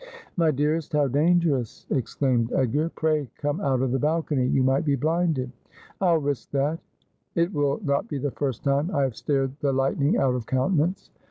'My dearest, how dangerous!' exclaimed Edgar; 'pray, come out of the balcony. You might be blinded.' ' I'll risk that. It will not be the first time I have stared the lightning out of countenance.'